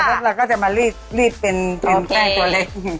ได้แล้วค่ะแล้วก็จะมารีดรีดเป็นโอเคเป็นแป้งตัวเล็ก